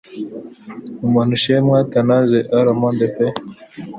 Umuntu che mai tornasse al mondo pe